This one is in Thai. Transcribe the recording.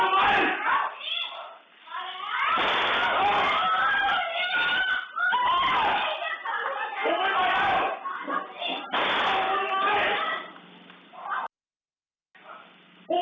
ไม่ต้องไปฟังดู